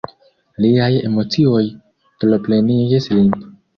Liaj emocioj troplenigis lin.